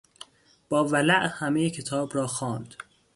با ولع همهی کتاب را خواند.